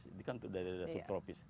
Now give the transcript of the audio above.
ini kan untuk daerah daerah subtropis